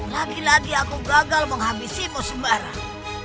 lagi lagi aku gagal menghabisi musim barang